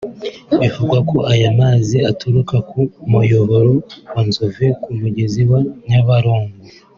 Bivugwa ko aya mazi aturuka ku Muyoboro wa Nzove ku Mugezi wa Nyabarongo